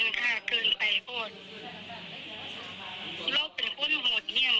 ภาพว่าใดเบี้ยงผ่าสะเกาเลือดข้างสมองบวม